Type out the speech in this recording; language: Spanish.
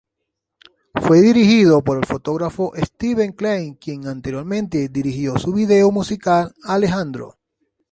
Fue dirigido por el fotógrafo Steven Klein, quien anteriormente dirigió su video musical "Alejandro".